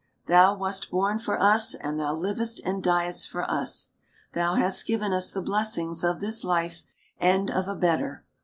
Thou wast born for us, and thou livedst and diedst for us. Thou hast given us the blessings of this life, and of a better.